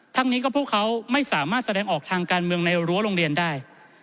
ทั้งนี้ก็พวกเขาไม่สามารถแสดงออกทางการเมืองในรั้วโรงเรียนได้